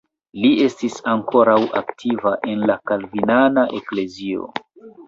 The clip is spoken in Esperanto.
Li estis ankaŭ aktiva en la kalvinana eklezio.